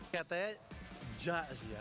katanya ja sih ya